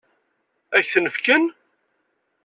Ad k-ten-fken?